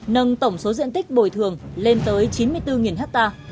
nâng tổng số diện tích bồi thường lên tới chín mươi bốn ha